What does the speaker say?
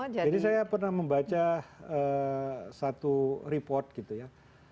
jadi saya pernah membaca satu report gitu ya